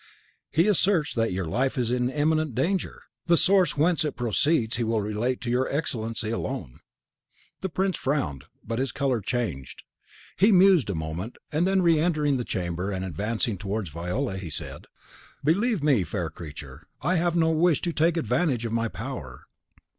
"He asserts that your life is in imminent danger. The source whence it proceeds he will relate to your Excellency alone." The prince frowned; but his colour changed. He mused a moment, and then, re entering the chamber and advancing towards Viola, he said, "Believe me, fair creature, I have no wish to take advantage of my power.